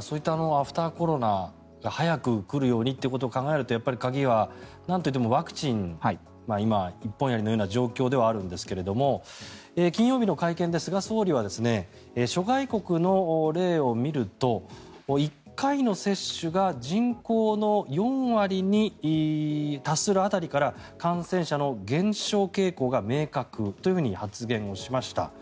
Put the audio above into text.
そういったアフターコロナが早く来るようにということを考えるとやっぱり鍵はなんといってもワクチンが一本やりみたいな状況ではあるんですが金曜日の会見で菅総理は諸外国の例を見ると１回の接種が人口の４割に達する辺りから感染者の減少傾向が明確というふうに発言しました。